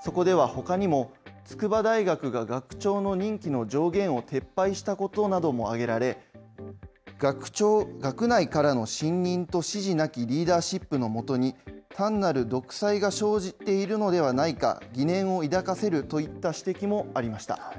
そこでは、ほかにも筑波大学が学長の任期の上限を撤廃したことなども挙げられ、学内からの信認と支持なきリーダーシップのもとに、単なる独裁が生じているのではないかといった疑念を抱かせるといった指摘もありました。